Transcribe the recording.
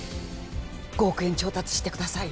５億円調達してください。